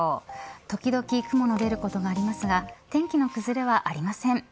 時々雲の出ることがありますが天気の崩れはありません。